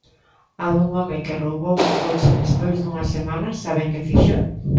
A dun home que roubou un coche e despois dunha semana, saben que fixo?